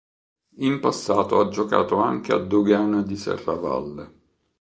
In passato ha giocato anche a Dogana di Serravalle.